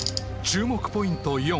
注目ポイント